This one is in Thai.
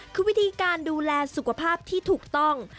คือวิธีการดูแลสุขภาพที่ถูกต้อง